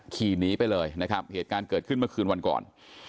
ขี่หนีไปเลยนะครับเหตุการณ์เกิดขึ้นเมื่อคืนวันก่อน